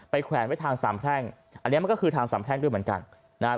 แขวนไว้ทางสามแพร่งอันนี้มันก็คือทางสามแพร่งด้วยเหมือนกันนะฮะ